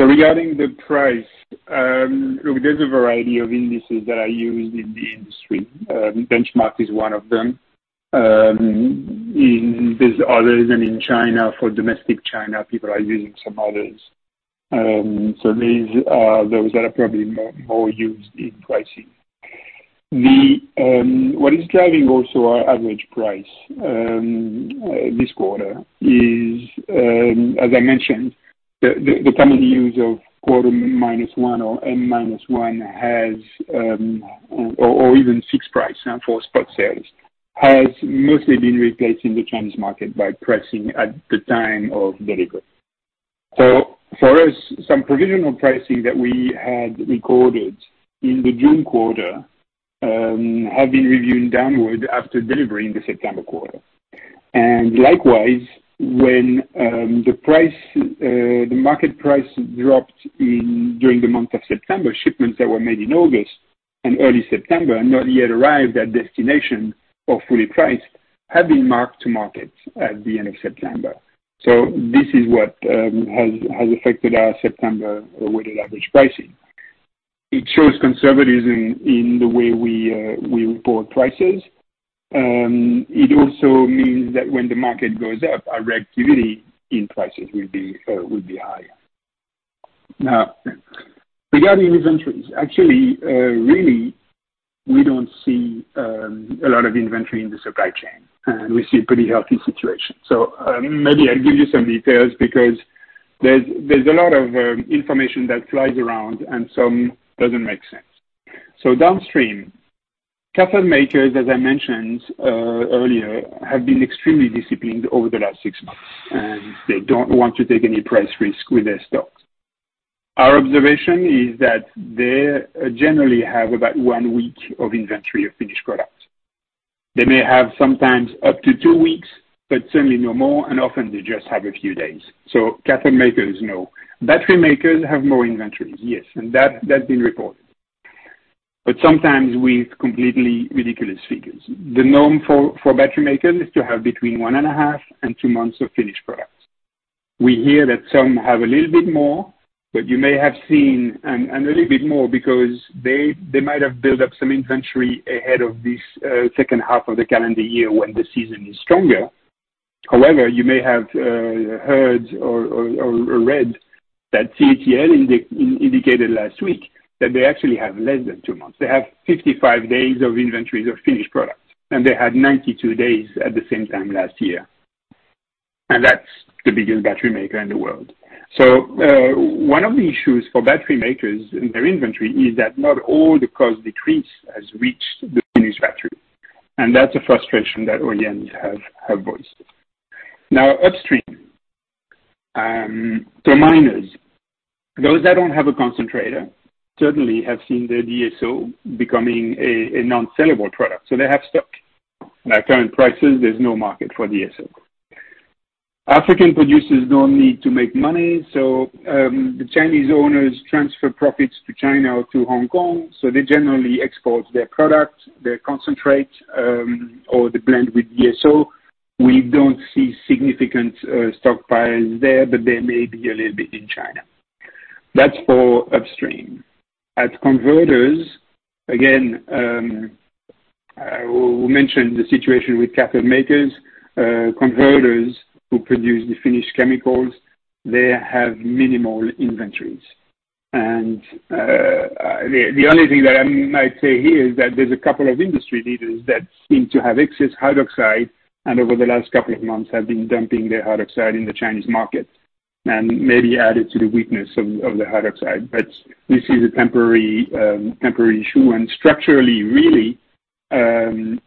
So regarding the price, look, there's a variety of indices that are used in the industry. Benchmark is one of them. There's others, and in China, for domestic China, people are using some others. So these are those that are probably more used in pricing. What is driving also our average price this quarter is, as I mentioned. The common use of quarter minus one or M minus one, or even fixed price now for spot sales, has mostly been replaced in the Chinese market by pricing at the time of delivery. So for us, some provisional pricing that we had recorded in the June quarter have been reviewed downward after delivery in the September quarter. And likewise, when the price, the market price dropped in during the month of September, shipments that were made in August and early September, and not yet arrived at destination or fully priced, have been marked to market at the end of September. So this is what has affected our September weighted average pricing. It shows conservatism in the way we report prices. It also means that when the market goes up, our reactivity in prices will be higher. Now, regarding inventories, actually, really, we don't see a lot of inventory in the supply chain, and we see a pretty healthy situation. So, maybe I'll give you some details because there's a lot of information that flies around, and some doesn't make sense. So downstream, cathode makers, as I mentioned earlier, have been extremely disciplined over the last six months, and they don't want to take any price risk with their stocks. Our observation is that they generally have about one week of inventory of finished product. They may have sometimes up to two weeks, but certainly no more, and often they just have a few days. So cathode makers, no. Battery makers have more inventory, yes, and that's been reported. But sometimes with completely ridiculous figures. The norm for battery makers is to have between one and a half and two months of finished products. We hear that some have a little bit more, but you may have seen and a little bit more because they might have built up some inventory ahead of this second half of the calendar year when the season is stronger. However, you may have heard or read that CATL indicated last week that they actually have less than two months. They have 55 days of inventories of finished products, and they had 92 days at the same time last year. That's the biggest battery maker in the world. So, one of the issues for battery makers in their inventory is that not all the cost decrease has reached the finished battery, and that's a frustration that OEMs have voiced. Now, upstream, so miners, those that don't have a concentrator certainly have seen their DSO becoming a non-sellable product, so they have stock. At current prices, there's no market for DSO. African producers don't need to make money, so, the Chinese owners transfer profits to China or to Hong Kong, so they generally export their product, their concentrate, or they blend with DSO. We don't see significant stockpiles there, but there may be a little bit in China. That's for upstream. At converters, again, I will mention the situation with cathode makers. Converters who produce the finished chemicals, they have minimal inventories. And, the only thing that I might say here is that there's a couple of industry leaders that seem to have excess hydroxide, and over the last couple of months have been dumping their hydroxide in the Chinese market, and maybe added to the weakness of the hydroxide. But we see the temporary issue, and structurally, really,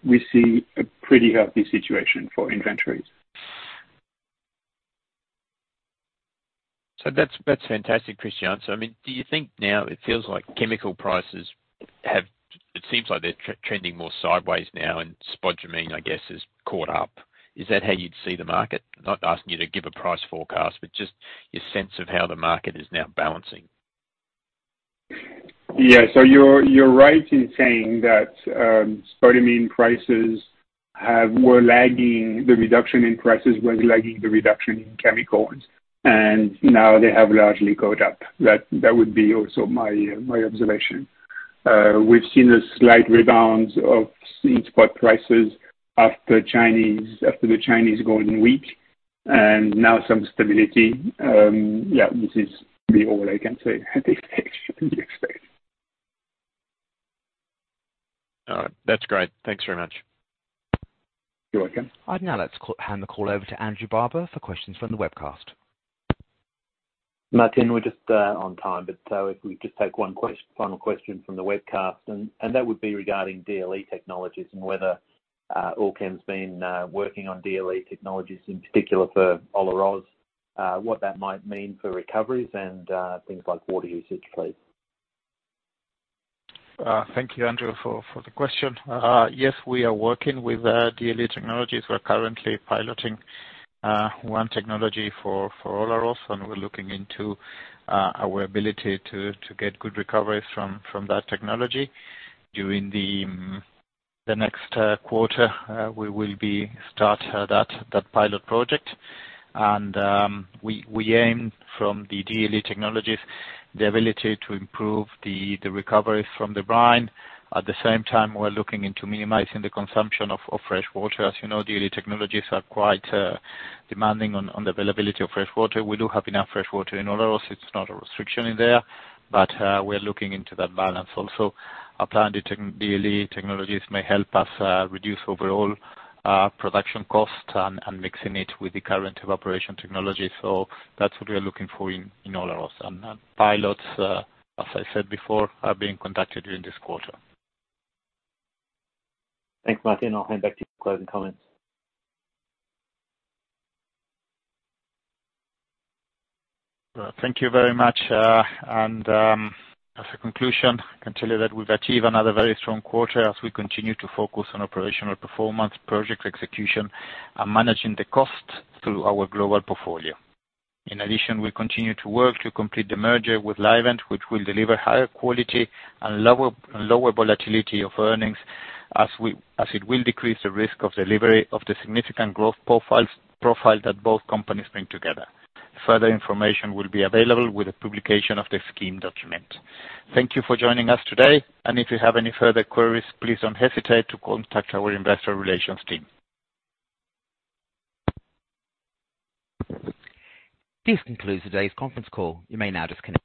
we see a pretty healthy situation for inventories. So that's, that's fantastic, Christian. So I mean, do you think now it feels like chemical prices have. It seems like they're trending more sideways now, and spodumene, I guess, has caught up. Is that how you'd see the market? Not asking you to give a price forecast, but just your sense of how the market is now balancing. Yeah. So you're right in saying that, spodumene prices were lagging, the reduction in prices was lagging the reduction in chemicals, and now they have largely caught up. That would be also my observation. We've seen a slight rebound in spot prices after the Chinese Golden Week, and now some stability. Yeah, this is really all I can say. I think you expect. All right. That's great. Thanks very much. You're welcome. Now let's hand the call over to Andrew Barber for questions from the webcast. Martin, we're just on time, but if we just take one final question from the webcast, and that would be regarding DLE technologies, and whether Allkem's been working on DLE technologies, in particular for Olaroz, what that might mean for recoveries and things like water usage, please. Thank you, Andrew, for the question. Yes, we are working with DLE technologies. We're currently piloting one technology for Olaroz, and we're looking into our ability to get good recoveries from that technology. During the next quarter, we will be starting that pilot project. And we aim from the DLE technologies, the ability to improve the recovery from the brine. At the same time, we're looking into minimizing the consumption of fresh water. As you know, DLE technologies are quite demanding on the availability of fresh water. We do have enough fresh water in Olaroz. It's not a restriction in there, but we're looking into that balance also. Applying the DLE technologies may help us reduce overall production costs and mixing it with the current evaporation technology. So that's what we are looking for in Olaroz. And pilots, as I said before, are being conducted during this quarter. Thanks, Martin. I'll hand back to you for closing comments. Thank you very much. As a conclusion, I can tell you that we've achieved another very strong quarter as we continue to focus on operational performance, project execution, and managing the cost through our global portfolio. In addition, we continue to work to complete the merger with Livent, which will deliver higher quality and lower volatility of earnings, as it will decrease the risk of delivery of the significant growth profile that both companies bring together. Further information will be available with the publication of the scheme document. Thank you for joining us today, and if you have any further queries, please don't hesitate to contact our investor relations team. This concludes today's conference call. You may now disconnect.